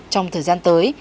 trong thời gian tới